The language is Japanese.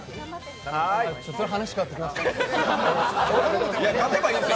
それは話、変わってきますんで。